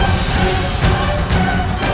aku tak bisa